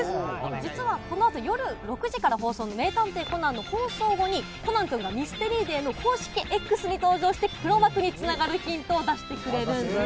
実はこのあと夜６時から放送の名探偵コナンの放送後に、コナン君がＭＹＳＴＥＲＹＤＡＹの公式Ｘに登場して、黒幕につながるヒントを出してくれるんです。